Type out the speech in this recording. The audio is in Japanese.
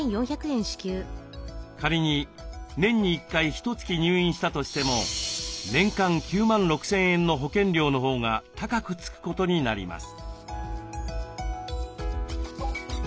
仮に年に１回ひとつき入院したとしても年間９万６，０００円の保険料のほうが高くつくことになります。